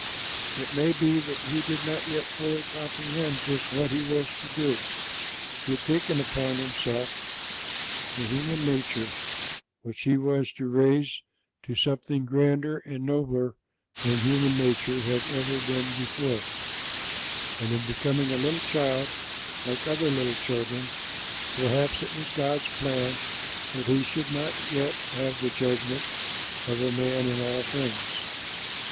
It may be that He did not yet fully comprehend just what He was to do. He had taken upon Himself the human nature which He was to raise to something grander and nobler than human nature had ever been before, and in becoming a little child like other little children, perhaps it was God's plan that He should not yet have the judgment of a man in all things.